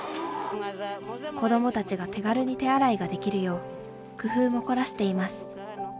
子どもたちが手軽に手洗いができるよう工夫も凝らしています。